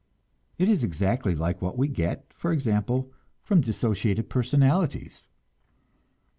It is exactly like what we get, for example, from dissociated personalities.